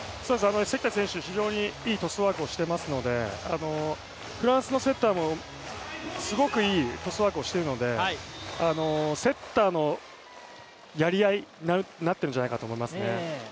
関田選手、非常にいいトスワークをしているのでフランスのセッターもすごくいいトスワークをしてるのでセッターのやり合いになってるんじゃないかと思いますね。